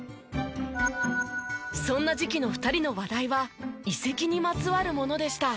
そんな時期の２人の話題は移籍にまつわるものでした。